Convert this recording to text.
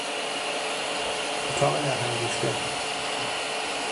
اتاق درهم ریخته